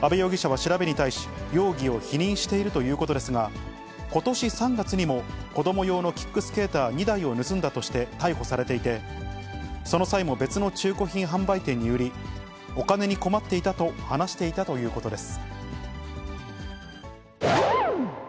安倍容疑者は調べに対し、容疑を否認しているということですが、ことし３月にも、子ども用のキックスケーター２台を盗んだとして逮捕されていて、その際も別の中古品販売店に売り、お金に困っていたと話していたということです。